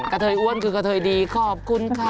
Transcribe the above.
เทยอ้วนคือกระเทยดีขอบคุณค่ะ